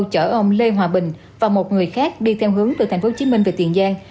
chở ông lê hòa bình và một người khác đi theo hướng từ tp hcm về tiền giang